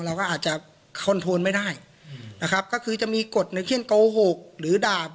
เราก็อาจจะคอนโทนไม่ได้นะครับก็คือจะมีกฎในเช่นโกหกหรือดาบ